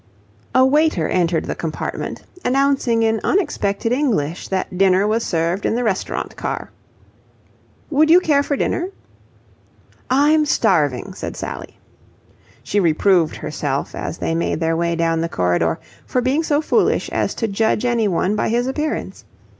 A waiter entered the compartment, announcing in unexpected English that dinner was served in the restaurant car. "Would you care for dinner?" "I'm starving," said Sally. She reproved herself, as they made their way down the corridor, for being so foolish as to judge anyone by his appearance.